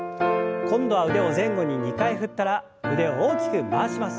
今度は腕を前後に２回振ったら腕を大きく回します。